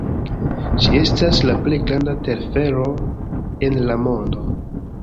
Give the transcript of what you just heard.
Ĝi estas la plej granda telfero en la mondo.